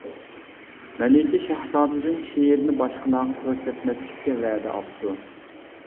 مەلىكە شاھزادىدىن شېئىرنى باشقىلارغا كۆرسەتمەسلىككە ۋەدە ئاپتۇ.